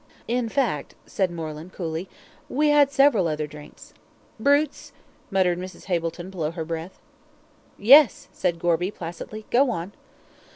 In fact," said Moreland, coolly, "we had several other drinks." "Brutes!" muttered Mrs. Hableton, below her breath. "Yes," said Gorby, placidly. "Go on."